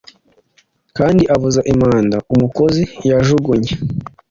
Kandi avuza impanda; Umukozi yajugunye